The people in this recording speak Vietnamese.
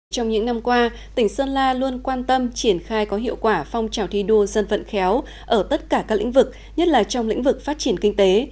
trong những năm qua tỉnh sơn la luôn quan tâm triển khai có hiệu quả phong trào thi đua dân vận khéo ở tất cả các lĩnh vực nhất là trong lĩnh vực phát triển kinh tế